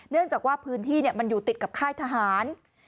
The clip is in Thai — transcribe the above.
เนื่องจากว่าพื้นที่มันอยู่ติดกับค่ายทหาร